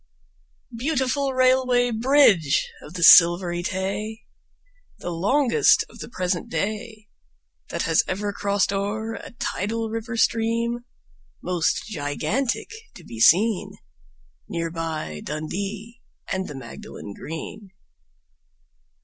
Beautiful Railway Bridge of the Silvery Tay! The longest of the present day That has ever crossed o'er a tidal river stream, Most gigantic to be seen, Near by Dundee and the Magdalen Green.